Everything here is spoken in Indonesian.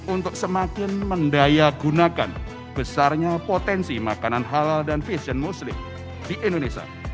untuk semakin mendayagunakan besarnya potensi makanan halal dan fashion muslim di indonesia